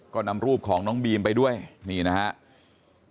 ก็นำรูปของน้องบีมไปด้วยนี่นะครับ